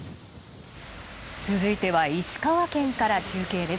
続いては石川県から中継です。